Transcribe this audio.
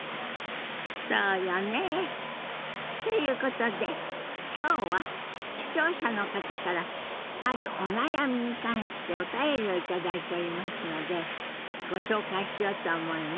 そうよね。ということで今日は視聴者の方からあるお悩みに関してお便りを頂いておりますのでご紹介しようと思います。